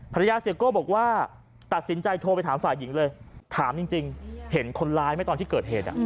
เสียโก้บอกว่าตัดสินใจโทรไปถามฝ่ายหญิงเลยถามจริงเห็นคนร้ายไหมตอนที่เกิดเหตุ